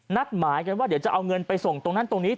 นัดหมายกันว่าเดี๋ยวจะเอาเงินไปส่งตรงนั้นตรงนี้